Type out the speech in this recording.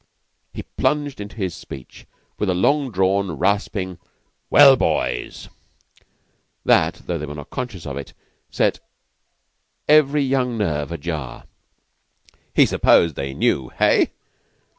He plunged into his speech with a long drawn, rasping "Well, boys," that, though they were not conscious of it, set every young nerve ajar. He supposed they knew hey?